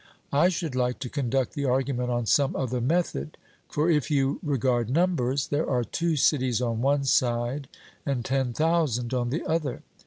I should like to conduct the argument on some other method; for if you regard numbers, there are two cities on one side, and ten thousand on the other.